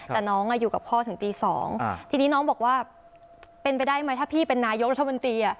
แต่น้องอยู่กับพ่อถึงตี๒ทีนี้น้องบอกว่าเป็นไปได้ไหมถ้าพี่เป็นนายกรัฐมนตรี